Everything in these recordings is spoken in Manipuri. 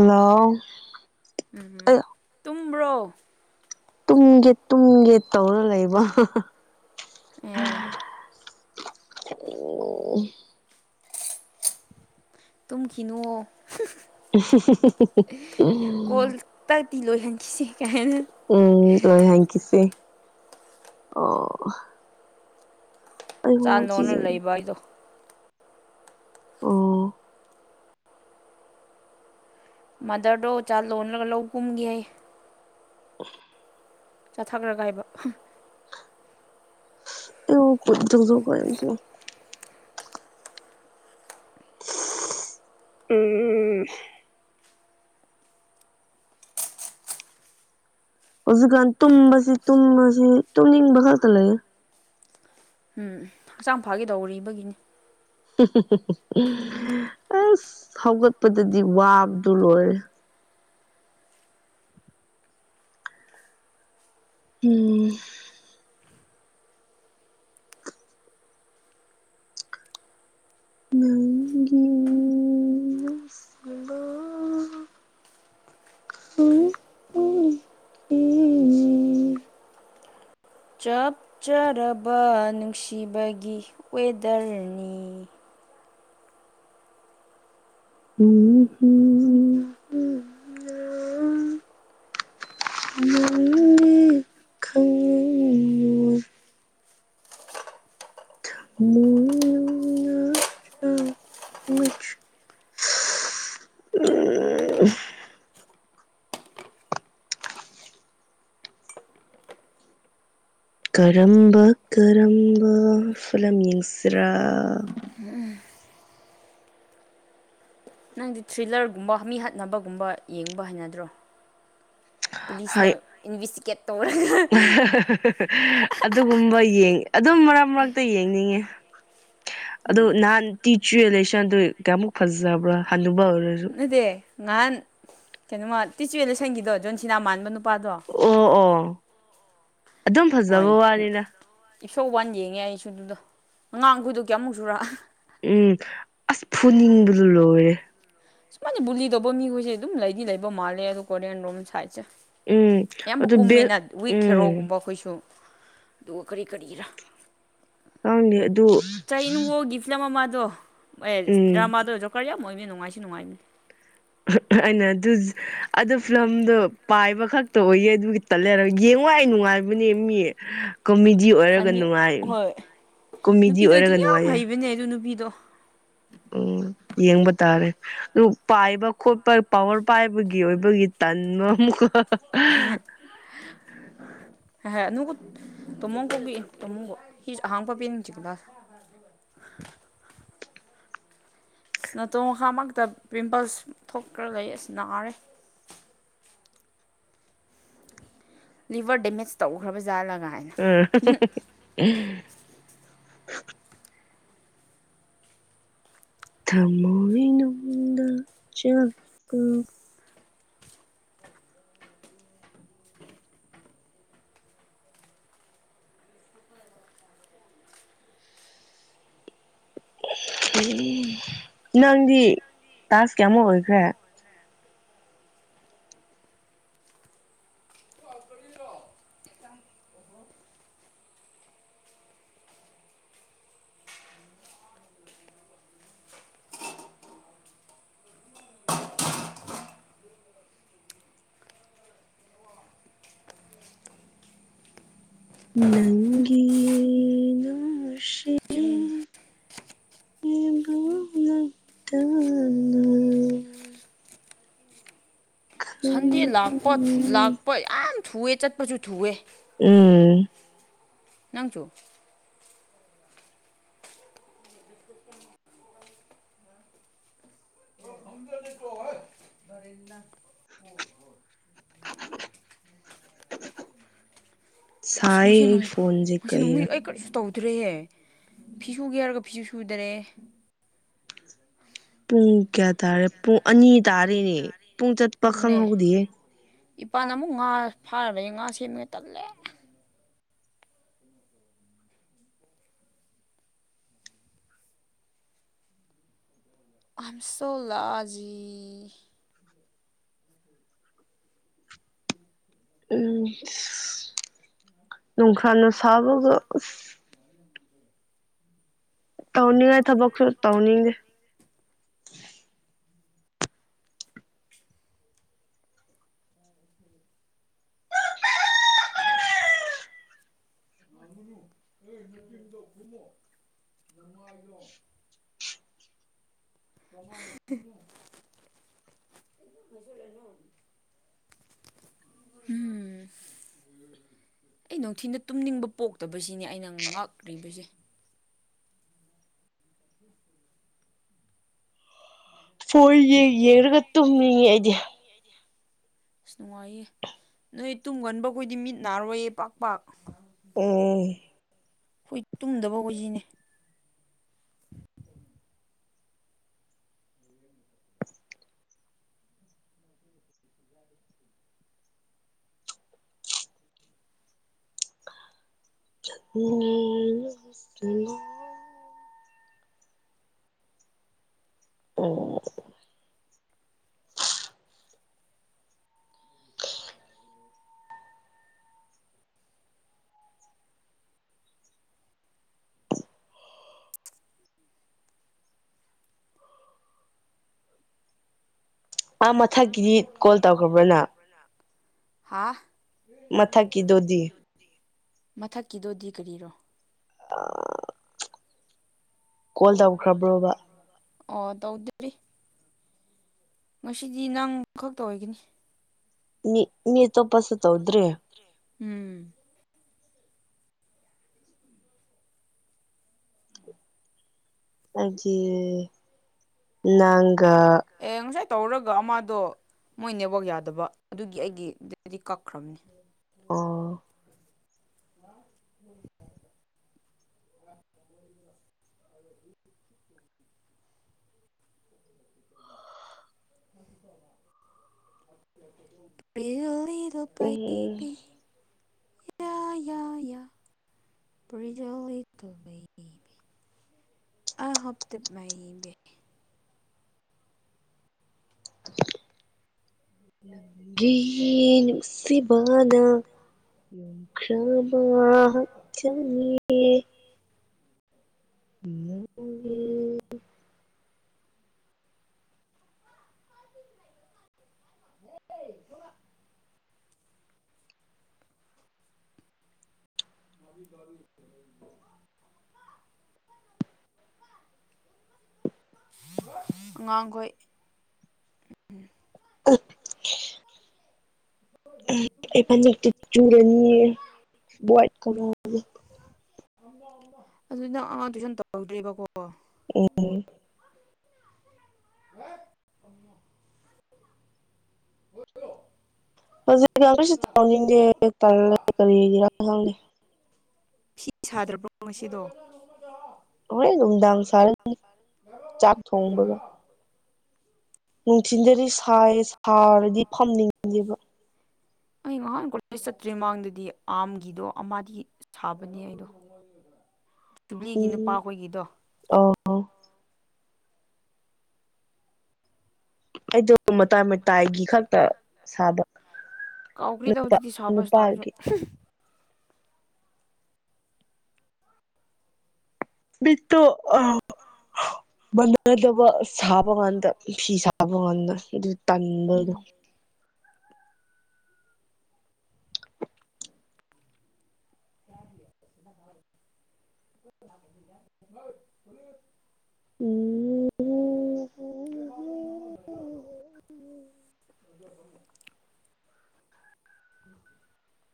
ꯍꯜꯂꯣ ꯎꯝ ꯑꯩ ꯇꯨꯝꯕ꯭ꯔꯣ ꯇꯨꯝꯒꯦ ꯇꯨꯝꯒꯦ ꯇꯧꯔ ꯂꯩꯕ ꯑꯦ ꯑꯣ ꯇꯨꯝ ꯀꯅꯨꯑꯣ ꯀꯣꯜꯇꯤ ꯂꯣꯏꯍꯟ ꯎꯝ ꯂꯣꯏ ꯍꯦꯡꯀꯤꯁꯤ ꯑꯣ ꯑꯩ ꯍꯣ ꯆꯥꯟꯗꯣꯅ ꯁꯤꯁꯦ ꯂꯩꯕ ꯍꯥꯏꯗꯣ ꯑꯣ ꯃꯗꯔꯗꯣ ꯆꯥ ꯂꯔꯒ ꯂꯧ ꯀꯨꯝꯒꯦ ꯍꯥꯏ ꯑꯐ ꯆꯠꯊꯈ꯭ꯔꯒ ꯍꯥꯏꯕ ꯑ ꯀ ꯆꯁꯨ ꯀꯁꯨ [unintelligible] ꯎꯝ ꯍꯧꯖꯤꯛꯀꯥꯟ ꯇꯨꯝꯕꯁꯤ ꯇꯨꯝꯕꯁꯤ ꯇꯨꯝꯅꯤꯡꯕ ꯈꯛꯇ ꯂꯩꯦ ꯎꯝ ꯍꯛꯆꯥꯡ ꯐꯥꯒꯦꯗꯧꯔꯤꯕꯒꯤꯅꯤ ꯑꯁ ꯍꯧꯒꯠꯄꯗꯗꯤ ꯋꯥꯕꯗꯨ ꯂꯣꯏꯔꯦ ꯎꯝ ꯅꯪꯒꯤ ꯅꯨꯡꯁꯤꯕ ꯎꯝ ꯎ ꯎꯝ ꯆꯞꯆꯔꯕ ꯅꯨꯡꯁꯤꯕꯒꯤ ꯋꯦꯗꯔꯅꯤ ꯎꯝ ꯀꯔꯝꯕ ꯀꯔꯝꯕ ꯐꯂꯝ ꯌꯦꯡꯁꯤꯔꯥ ꯅꯪꯗꯤ ꯊ꯭ꯔꯤꯜꯂꯔꯒꯨꯝꯕ ꯃꯤ ꯍꯥꯠꯅꯕꯒꯨꯝꯕ ꯌꯦꯡꯕ ꯍꯥꯏꯅꯗ꯭ꯔꯣ ꯄꯨꯂꯤꯁꯅ ꯍꯣꯏ ꯏꯟꯚꯦꯁꯇꯤꯒꯦꯠ ꯇꯧꯔꯒ ꯑꯗꯨꯒꯨꯝꯕ ꯌꯦꯡ ꯑꯗꯨꯝ ꯃꯔꯛ ꯃꯔꯛꯇ ꯌꯦꯡꯅꯤꯡꯉꯦ ꯑꯗꯨ ꯅꯍꯥꯟ ꯇꯤꯆꯋꯂ ꯑꯗꯨ ꯀꯃꯨꯛ ꯐꯖꯕ꯭ꯔꯥ ꯍ ꯅꯗꯦ ꯉꯍꯥꯟ ꯀꯩꯅꯣꯃ ꯇꯤꯆꯨꯋꯦꯅ ꯁꯪꯒꯤꯗꯣ ꯖꯣꯟꯁꯤꯅ ꯃꯥꯟꯕ ꯅꯨꯄꯥ ꯑꯣ ꯑꯣ ꯑꯗꯨꯝ ꯐꯖꯕ ꯋꯥꯅꯤꯅ ꯏꯁꯧ ꯋꯥꯟ ꯌꯦꯡꯉꯦ ꯑꯩꯁꯨ ꯑꯗꯨꯗꯣ ꯑꯉꯥꯡꯈꯣꯏꯗꯣ ꯀꯌꯥꯃꯨꯛ ꯁꯨꯔꯛ ꯎꯝ ꯑꯁ ꯐꯨꯅꯤꯡꯕꯗꯨ ꯂꯣꯏꯔꯦ ꯁꯨꯃꯥꯏꯁꯦ ꯕꯨꯨꯂꯤꯗꯧꯕ ꯃꯤꯈꯣꯏꯁꯦ ꯑꯗꯨꯝ ꯂꯩꯗꯤ ꯂꯩꯕ ꯃꯥꯜꯂꯦ ꯑꯗꯨ ꯀꯣꯔꯤꯌꯟ ꯔꯣꯝ ꯁꯥꯏꯠꯁꯦ ꯎꯝ ꯌꯥꯝꯕ ꯑꯗꯨ ꯕꯦꯛ ꯀꯨꯝꯃꯦꯅ ꯋꯤꯛ ꯎꯝ ꯈꯦꯔꯣꯒꯨꯝꯕ ꯑꯩꯈꯣꯏꯁꯨ ꯗꯣ ꯀꯔꯤ ꯀꯔꯤꯔ ꯑꯅꯦ ꯆꯅ ꯒꯤ ꯐꯂꯝ ꯃꯥꯗꯣ ꯑꯦ ꯎꯝ ꯗ꯭ꯔꯃꯗ ꯀ ꯃꯣꯏꯗꯤ ꯅꯨꯡꯉꯥꯏꯁꯤ ꯅꯨꯡꯉꯥꯏꯃꯤ ꯑꯩꯅ ꯑꯗꯨ ꯑꯗꯨ ꯐꯤꯂꯝꯗꯣ ꯄꯥꯏꯕ ꯈꯛꯇ ꯑꯣꯏꯌꯦ ꯑꯗꯨ ꯈꯤꯇ ꯂꯩ ꯅꯨꯡꯉꯥꯏ ꯅꯨꯡꯉꯥꯏꯕꯅꯦ ꯃꯤꯌꯦ ꯀꯣꯃꯦꯗꯤ ꯑꯣꯏꯔꯒ ꯐꯅꯤ ꯅꯨꯡꯉꯥꯏ ꯍꯣꯏ ꯀꯣꯃꯦꯗꯤ ꯑꯣꯏꯔꯒ ꯅꯨꯡꯉꯥꯏꯌꯦ ꯗꯣ ꯎꯝ ꯌꯦꯡꯕ ꯇꯥꯔꯦ ꯑꯗꯨ ꯄꯥꯏꯕ ꯈꯣꯠꯄ ꯄꯋꯥꯔ ꯄꯥꯏꯕꯒꯤ ꯑꯣꯏꯕꯒꯤ ꯇꯟꯕ [inaudible] ꯍ ꯍꯣꯏ ꯑꯗꯨꯅꯕꯨ ꯇꯣꯃꯣ ꯀꯧꯕꯤꯏ ꯇꯥꯃꯣꯕꯨ ꯁꯤꯦ ꯑꯍꯥꯡ ꯄꯄꯤ ꯁꯤꯤꯂ [inaudible] ꯅꯇꯣꯡ ꯃꯈꯥꯃꯛꯇ ꯄꯤꯝꯄꯜꯁ ꯊꯣꯛꯈ꯭ꯔ ꯂꯩ ꯑꯁꯤꯁ ꯅꯥꯔꯦ ꯂꯤꯚꯔ ꯗꯦꯃꯦꯖ ꯇꯧꯈ꯭ꯔꯕꯖꯥꯠꯂꯒꯥꯏꯅ ꯎꯝ ꯊꯃꯥꯏꯅꯗ ꯆꯒ ꯎ ꯅꯪꯗꯤ ꯇꯖ ꯀꯌꯥꯃꯛ ꯑꯣꯏꯈ꯭ꯔꯦ ꯅꯪꯒꯤ ꯅꯨꯡꯁꯤ ꯇꯨꯝ ꯇ ꯁꯟꯗꯦ ꯂꯥꯛꯄ ꯂꯥꯛꯄ ꯌꯥꯝ ꯊꯨꯑꯦ ꯆꯠꯄꯁꯨ ꯊꯨꯑꯦ ꯅꯪꯊꯣ ꯁꯥꯏ ꯑꯩ ꯐꯣꯟꯁꯦ ꯀꯩꯔꯥ ꯁꯨꯊ꯭ꯔꯦꯍꯦ ꯐꯤ ꯁꯨꯒꯦ ꯍꯥꯏꯔꯒ ꯐꯤꯁꯨ ꯁꯨꯗꯔꯦ ꯄꯨꯡ ꯀꯌꯥ ꯇꯥꯔꯦ ꯄꯨꯡ ꯑꯅꯤ ꯇꯥꯔꯤꯦꯅꯦ ꯄꯨꯡ ꯆꯠꯄ ꯈꯪꯍꯧꯗꯌꯦꯦ ꯏꯄꯥꯜ ꯑꯃꯨꯛ ꯉꯥ ꯐꯥꯔꯕꯅꯤ ꯉꯥ ꯁꯦꯝꯃꯒ ꯇꯜꯂꯦ ꯑꯁꯜꯂꯥꯖꯤ ꯎꯝ ꯅꯣꯡꯈ꯭ꯔꯅ ꯁꯕꯒ ꯇꯧꯅꯤꯡꯉ ꯊꯕꯣꯛꯁꯁꯨ ꯇꯧꯅꯤꯡꯒꯦ ꯑ ꯅꯨꯗꯣꯨꯝꯃꯣ ꯅꯃꯥꯏꯗꯣ [inaudible] ꯎꯝ ꯑꯩ ꯅꯨꯡꯊꯤꯅ ꯇꯨꯝꯅꯤꯡꯕ ꯄꯣꯛꯇꯕꯁꯤꯅꯦ ꯑꯩꯅ ꯉꯥꯛ꯭ꯔꯤꯕꯁꯦ ꯐꯣꯔ ꯌꯦ ꯌꯦꯡꯔꯒ ꯇꯨꯝꯅꯤꯡꯉꯦ ꯑꯩꯗꯤ ꯑꯁ ꯅꯨꯡꯉꯥꯏꯌꯦ ꯅꯣꯏ ꯇꯨꯡꯒꯟꯕꯈꯣꯏꯗꯤ ꯃꯤꯠ ꯅꯥꯔꯣꯏꯌꯦ ꯄꯥꯛ ꯄꯥꯛ ꯎ ꯑꯩꯈꯣꯏ ꯇꯨꯝꯗꯕ ꯑꯣꯏꯁꯤꯅꯦ [inaudible] ꯑ ꯃꯥ ꯃꯊꯛꯀꯤꯗꯤ ꯀꯣꯜ ꯇꯧꯈ꯭ꯔꯕ꯭ꯔꯅ ꯍꯥ ꯃꯊꯛꯒꯤꯗꯨꯗꯤ ꯃꯊꯛꯀꯤꯗꯣꯗꯤ ꯀꯔꯤꯔꯣ ꯑ ꯑꯣ ꯇ ꯑꯣꯗꯔꯤ ꯉꯁꯤꯗꯤ ꯅꯪ ꯈꯛꯇ ꯑꯣꯏꯒꯅꯤ ꯃꯤꯅꯤ ꯭ꯔꯦ ꯎꯝ ꯑꯗꯨꯦ ꯅꯒꯥ ꯑꯦ ꯉꯁꯥꯏ ꯇꯧꯔꯒ ꯑꯃꯗꯣ ꯃꯣꯏ ꯅꯦꯕꯣꯛ ꯌꯥꯗꯕ ꯑꯗꯨꯒꯤ ꯑꯩꯒꯤꯗꯤ ꯀꯛꯈ꯭ꯔꯕꯅꯦ ꯑꯥ ꯑ ꯎ ꯄꯣꯂꯤꯗꯨ ꯄꯥꯏ ꯄ [unintelligible] ꯄꯔꯤꯇꯤꯜ ꯂꯤꯇꯜ ꯕ‌ꯦꯕꯤ [unintelligible] ꯒꯤ ꯅꯨꯡꯁꯤꯕꯥꯅꯥ ꯍꯨꯝꯈ꯭ꯔꯥꯕ ꯍꯛꯆꯥꯡꯅꯤ ꯅꯪꯒꯤ [unintelligible] [unintelligible] [inaudible] ꯑꯉꯥꯡꯈꯣꯏ ꯑꯥ ꯑꯦ ꯐ ꯆꯨꯨꯔꯅꯤ [unintelligible] ꯑꯗꯨ ꯅꯪ ꯑ ꯇꯨꯏꯁꯟ ꯇꯧꯍꯧꯗ꯭ꯔ‌ꯦꯕꯀꯣ ꯑꯦꯔ‌‌ [unintelligible] ꯍꯧꯖꯤꯛ ꯇꯨꯁꯟ ꯇꯧꯅꯤꯡꯗ‌ꯦ ꯀꯔꯤꯒꯤꯔꯥ ꯈꯪꯗ‌ꯦ ꯐꯤ ꯁꯥꯗ꯭ꯔꯕ꯭ꯔꯣ ꯉꯁꯤꯗꯣ ꯍꯣꯔꯦꯟ ꯅꯨꯡꯗꯥꯡ ꯁꯥꯔꯅꯤ ꯆꯥꯛ ꯎꯝ ꯊꯣꯡꯕꯒ ꯅꯨꯡꯊꯤꯟꯖꯔꯤ ꯁꯥꯏ ꯁꯥꯔꯗꯤ ꯐꯝꯅꯤꯡꯗꯦꯕ ꯅꯣꯏ ꯆꯠꯇ꯭ꯔꯤꯩ ꯃꯃꯥꯡꯗꯗꯤ ꯑꯥꯝꯒꯤꯗꯣ ꯑꯃꯗꯤꯗꯤ ꯁꯥꯕꯅꯦ ꯑꯩꯗꯣ ꯅꯨꯕꯤꯒꯤ ꯎꯝ ꯅꯨꯄꯥꯍꯣꯏꯒꯤꯗꯣ ꯑ ꯑꯩꯗ‌ꯣ [unintelligible] ꯇꯥꯏꯒꯤ ꯈꯛꯇ ꯁꯥꯕ ꯀꯥꯎꯈ꯭ꯔꯦꯗ ꯅꯨꯄꯥ ꯍꯧꯖꯤꯛꯇꯤ ꯁꯥꯕ ꯁ꯭ꯇꯥꯏꯜꯁꯨ ꯅꯨꯄꯥꯒꯤ ꯃꯤꯠꯇꯣ ꯑ ꯃꯗꯕ ꯁꯥꯕꯒꯥꯟꯗꯥ ꯐꯤ ꯁꯥꯕ ꯉꯗ ꯑꯗꯨ ꯇꯟꯕꯗꯣ ꯎꯝ [unintelligible] [unintelligible] [unintelligible] [unintelligible]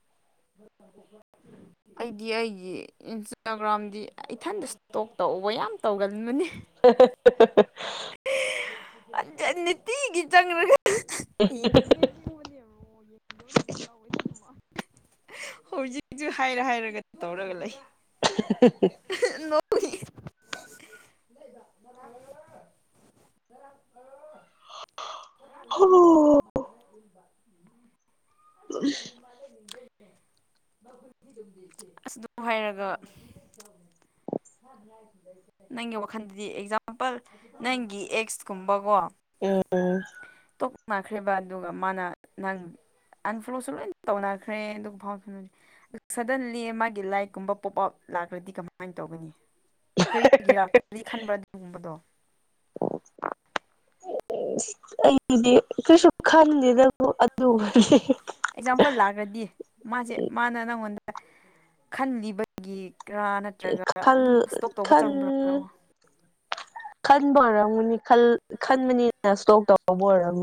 [inaudible] ꯑꯩꯗꯤ ꯑꯩꯒꯤ ꯏꯟꯁꯇꯥꯒ꯭ꯔꯥꯝꯗꯤ ꯏꯊꯟꯗ ꯏꯁꯇꯣꯛ ꯇꯧꯧꯕ ꯌꯥꯝ ꯇꯧꯒꯟꯕꯅꯤ [unintelligible] ꯇꯤꯒꯤ ꯆꯪꯔꯒꯥ ꯌꯦꯡꯒꯦ ꯆꯕꯅꯦꯔꯣ ꯌꯦꯡꯗꯣ ꯅꯪ ꯍꯧꯖꯤꯛꯁꯨ ꯍꯥꯏꯔ ꯍꯥꯏꯔꯒ ꯇꯧꯔꯒ ꯂꯩ [unintelligible] ꯍ ꯑ ꯂ [unintelligible] ꯑꯁꯗ ꯍꯥꯏꯔꯒ ꯅꯪꯒꯤ ꯋꯥꯈꯜꯗꯗꯤ ꯑꯦꯛꯖꯥꯝꯄꯜ ꯅꯪꯒꯤ ꯑꯦꯛꯁꯀꯨꯝꯕꯀꯣ ꯎ ꯃꯈ꯭ꯔꯤꯕ ꯑꯗꯨꯒ ꯃꯥꯅ ꯅꯪ ꯑꯟꯐꯣꯂꯣꯁꯨ ꯂꯣꯏ ꯇꯧꯅꯈ꯭ꯔꯦ ꯑꯗꯨꯒ ꯐꯥꯎ ꯁꯗꯟꯂꯤ ꯃꯥꯒꯤ ꯂꯥꯏꯛꯀꯨꯝꯕ ꯄꯣꯞ ꯑꯥꯎꯠ ꯔꯗꯤ ꯀꯃꯥꯏꯅ ꯇꯧꯒꯅꯤ ꯀꯔꯤꯒꯤꯗꯤ ꯈꯟꯕ꯭ꯔ ꯑꯗꯨꯒꯨꯝꯕꯗꯣ ꯑꯩꯗꯤ ꯀ꯭ꯔꯤꯁꯛ ꯀꯩꯁꯨ ꯈꯥꯟꯁꯤꯗꯕꯨ ꯈꯟꯗꯦꯗ ꯑꯗꯨ ꯑꯦꯛꯖꯥꯝꯄꯜ ꯂꯥꯛꯈ꯭ꯔꯗꯤ ꯃꯥꯁꯦ ꯃꯥꯅ ꯅꯪꯉꯣꯟꯗ ꯈꯟꯕꯒꯤ ꯀꯦꯔꯥ ꯅꯠꯇ꯭ꯔꯒ ꯈꯜ ꯑꯗꯨꯝ ꯏꯁꯇꯣꯛ ꯇꯧꯕ ꯆꯪꯕ꯭ꯔꯔꯣ ꯈꯟꯕꯔꯝꯅꯤ ꯈꯜ ꯈꯟꯕꯅꯤꯅ ꯏꯁꯇꯣꯛ ꯇꯕꯨ ꯑꯣꯏꯔꯝ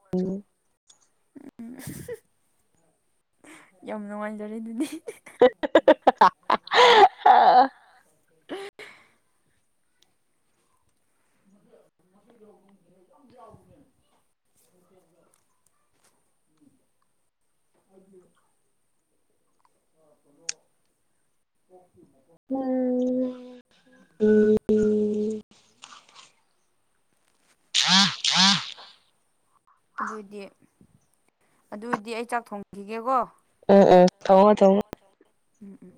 ꯎ ꯌꯥꯝ ꯅꯨꯡꯉꯥꯏꯖꯔꯦ ꯑꯗꯨꯗꯤ ꯑ [inaudible] [inaudible] ꯎꯝ ꯑ ꯑꯥ ꯑꯗꯨꯏꯗꯤ ꯑꯗꯨꯏꯗꯤ ꯑꯩ ꯆꯥꯛ ꯊꯣꯡꯈꯤꯒꯦꯀꯣ ꯎꯝ ꯎꯝ ꯊꯉ ꯆꯧꯉ ꯎꯝ ꯎꯝ